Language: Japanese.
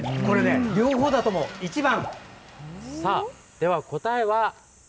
両方だと思う、１番。